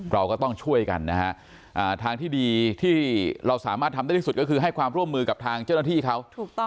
เราก็ต้องช่วยกันนะฮะทางที่ดีที่เราสามารถทำได้ที่สุดก็คือให้ความร่วมมือกับทางเจ้าหน้าที่เขา